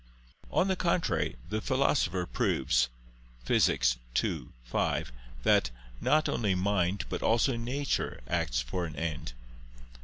On the contrary, The Philosopher proves (Phys. ii, 5) that "not only mind but also nature acts for an end."